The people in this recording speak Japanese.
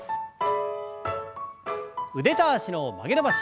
腕と脚の曲げ伸ばし。